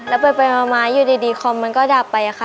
แล้วไปมาอยู่ดีคอมมันก็ดับไปค่ะ